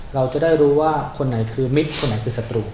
เราจะได้รู้ว่าคนไหนคือมิตรคนไหนคือศัตรู